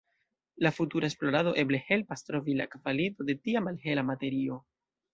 La futura esplorado eble helpas trovi la kvalito de tia malhela materio.